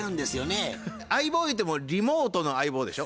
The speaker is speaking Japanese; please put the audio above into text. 相棒ゆうてもリモートの相棒でしょ？